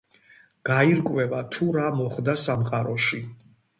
გაირკვევა თუ რა მოხდა სამყაროში.